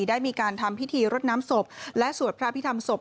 ได้มีการทำพิธีรดน้ำศพและสวดพระพิธรรมศพ